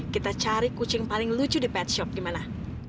kita cari kucing paling lucu di pet shop gimana